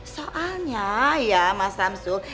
soalnya ya mas samsul